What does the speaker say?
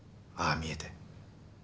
見えて。